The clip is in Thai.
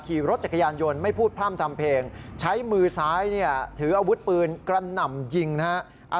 ขี่รถจักรยานยนต์ไม่พูดพร่ำทำเพลงใช้มือซ้ายเนี่ยถืออาวุธปืนกระหน่ำยิงนะฮะ